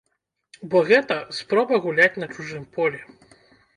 Бо гэта спроба гуляць на чужым полі.